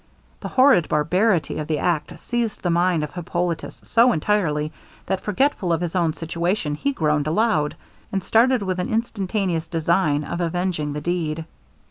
The horrid barbarity of the act seized the mind of Hippolitus so entirely, that, forgetful of his own situation, he groaned aloud, and started with an instantaneous design of avenging the deed.